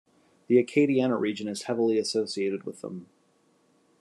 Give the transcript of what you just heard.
The Acadiana region is heavily associated with them.